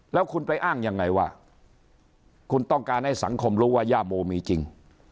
แล้วคุณไปอ้างยังไงว่าคุณต้องการให้สังคมรู้ว่าย่าโมมีจริง